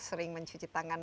sering mencuci tangan